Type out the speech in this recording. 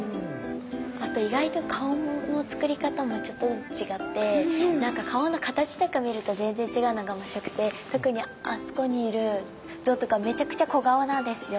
あと意外と顔のつくり方もちょっとずつ違って何か顔の形とか見ると全然違うのが面白くて特にあそこにいる像とかめちゃくちゃ小顔なんですよ。